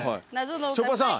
ちょぱさん。